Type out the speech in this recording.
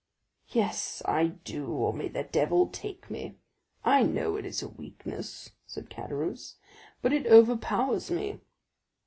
"Yes, I do, or may the devil take me. I know it is a weakness," said Caderousse, "but it overpowers me."